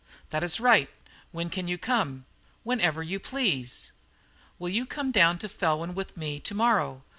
"That is right; when can you come?" "Whenever you please." "Will you come down to Felwyn with me to morrow?